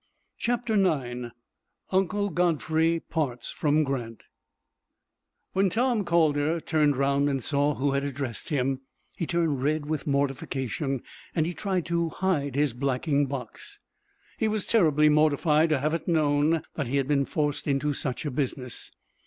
CHAPTER IX 'UNCLE GODFREY PARTS FROM GRANT When Tom Calder turned round and saw who had addressed him, he turned red with mortification, and he tried to hide his blacking box. He was terribly mortified to have it known that he had been forced into such a business.